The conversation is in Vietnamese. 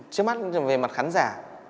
trước mắt về mặt khán giả